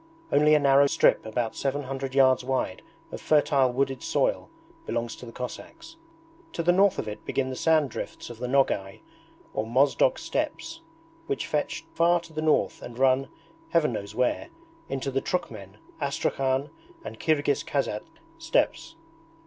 Only a narrow strip about seven hundred yards wide of fertile wooded soil belongs to the Cossacks. To the north of it begin the sand drifts of the Nogay or Mozdok steppes, which fetch far to the north and run, Heaven knows where, into the Trukhmen, Astrakhan, and Kirghiz Kaisatsk steppes.